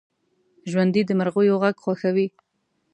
ژوندي د مرغیو غږ خوښوي